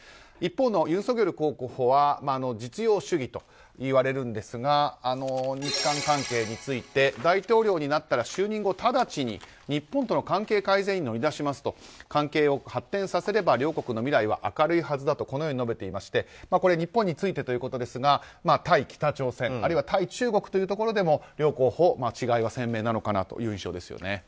一方のユン・ソギョル候補は実用主義といわれるんですが日韓関係について大統領になったら就任後、直ちに日本との関係改善に乗り出しますと関係を発展させれば両国の未来は明るいはずだと述べていまして日本についてということですが対北朝鮮、あるいは対中国というところでも両候補、違いが鮮明なのかなという印象です。